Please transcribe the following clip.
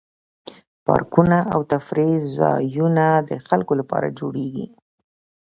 پارکونه او تفریح ځایونه د خلکو لپاره جوړیږي.